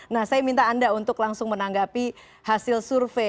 nah saya minta anda untuk langsung menanggapi hasil survei